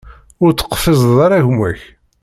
Ur teqfizeḍ am gma-k.